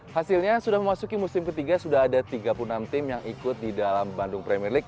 hasilnya sudah memasuki musim ketiga sudah ada tiga puluh enam tim yang ikut di dalam bandung premier leagu